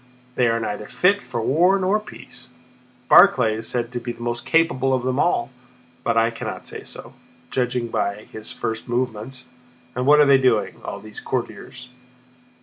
They are neither fit for war nor peace! Barclay is said to be the most capable of them all, but I cannot say so, judging by his first movements. And what are they doing, all these courtiers?